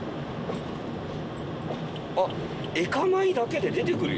あっエカマイだけで出てくるよ！